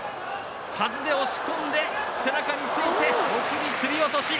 はずで押し込んで背中について送り吊り落とし！